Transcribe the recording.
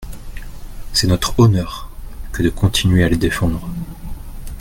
C’est notre honneur que de continuer à les défendre.